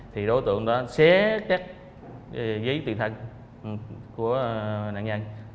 thì đối tượng đó xé các dí tình thân của nạn nhân